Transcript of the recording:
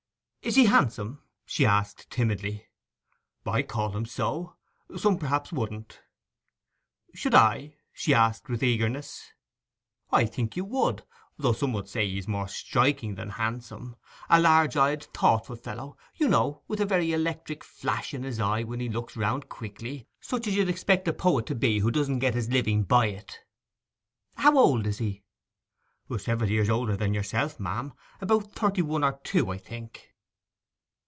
'Is he handsome?' she asked timidly. 'I call him so. Some, perhaps, wouldn't.' 'Should I?' she asked, with eagerness. 'I think you would, though some would say he's more striking than handsome; a large eyed thoughtful fellow, you know, with a very electric flash in his eye when he looks round quickly, such as you'd expect a poet to be who doesn't get his living by it.' 'How old is he?' 'Several years older than yourself, ma'am; about thirty one or two, I think.